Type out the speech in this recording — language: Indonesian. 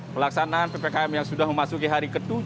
kemarin saja peningkatan ppkm yang sudah memasuki hari ke tujuh